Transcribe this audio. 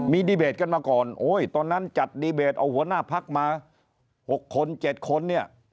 มีดีเบตกันมาก่อนตอนนั้นจัดดีเบตเอาหัวหน้าพลักษณ์มา๖คน๗คน